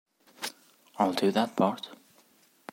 I'll do that part.